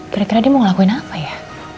kira kira dia mau ngelakuin apa ya